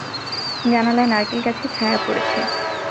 জানালায় নারকেল গাছের ছায়া পড়েছে।